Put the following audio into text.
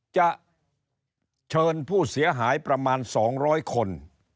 จะเชิญผู้เสียหายประมาณ๒๐๐คน